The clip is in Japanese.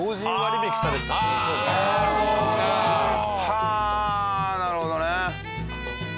はあなるほどね！